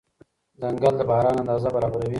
ځنګل د باران اندازه برابروي.